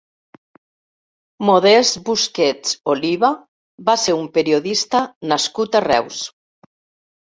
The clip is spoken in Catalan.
Modest Busquets Oliva va ser un periodista nascut a Reus.